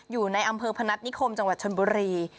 อยู่ในอำเภอพนัฐนิคมจังหวัดชนบุรี